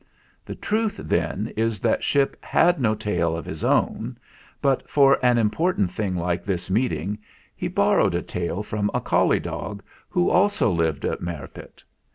The truth, then, is that Ship had no tail of his own, but, for an important thing like this meeting, he borrowed a tail from a collie dog who also lived at Merripit.